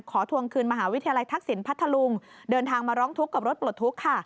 ทวงคืนมหาวิทยาลัยทักษิณพัทธลุงเดินทางมาร้องทุกข์กับรถปลดทุกข์ค่ะ